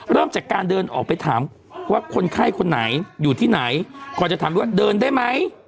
เริ่มจากการเดินออกไปถามว่าคนไข้คนไหนอยู่ที่ไหนก่อนจะถามด้วยว่าเดินได้ไหม